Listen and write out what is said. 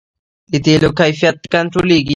د تیلو کیفیت کنټرولیږي؟